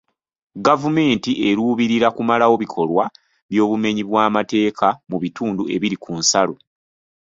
Gavumenti eruubirira kumalawo bikolwa by'obumenyi bw'amateeka mu bitundu ebiri ku nsalo.